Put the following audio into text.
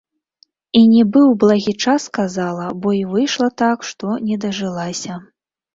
І нібы ў благі час сказала, бо і выйшла так, што не дажылася.